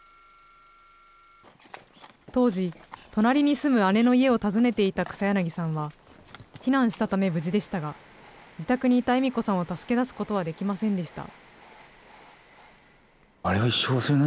当時、隣に住む姉の家を訪ねていた草柳さんは避難したため無事でしたが、自宅にいた笑子さんを助け出すことはできませんでした。